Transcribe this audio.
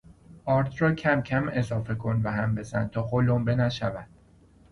آرد را کمکم اضافه کن و هم بزن تا قلمبه نشود.